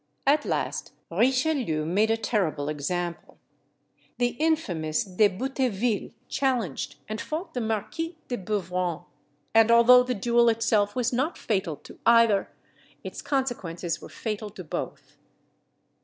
At last Richelieu made a terrible example. The infamous De Bouteville challenged and fought the Marquis de Beuvron; and although the duel itself was not fatal to either, its consequences were fatal to both.